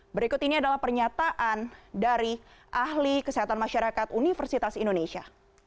berikut ini adalah pernyataan dari ahli kesehatan masyarakat universitas indonesia